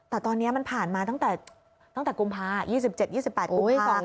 แต่ตอนนี้มันผ่านมาตั้งแต่ตั้งแต่กุมภาคม๒๗๒๘กุมภาคมค่ะ